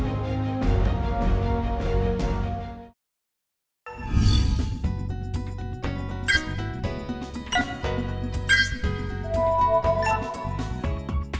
chuyển qua chính hóa